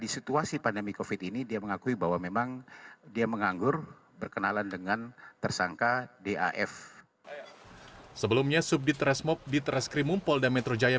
sebelumnya subdit resmob di teraskrimumpol dan metro jaya